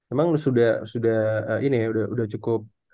emang sudah sudah ini udah cukup